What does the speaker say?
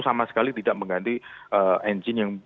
sama sekali tidak mengganti engine yang